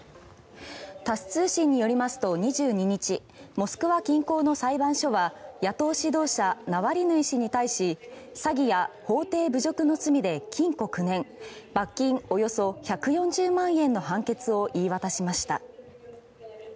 タス通信によりますと２２日モスクワ近郊の裁判所は野党指導者、ナワリヌイ氏に対し詐欺や法廷侮辱の罪で禁錮９年罰金およそ１４０万円の判決を言い渡しました。